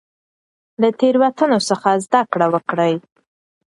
له تیروتنو څخه زده کړه وکړئ.